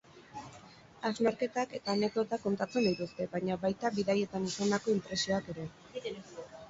Hausnarketak eta anekdotak kontatzen dituzte, baina baita bidaietan izandako inpresioak ere.